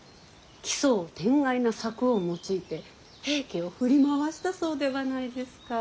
奇想天外な策を用いて平家を振り回したそうではないですか。